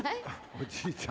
おじいちゃん。